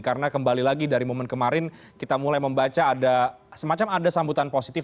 karena kembali lagi dari momen kemarin kita mulai membaca ada semacam ada sambutan positif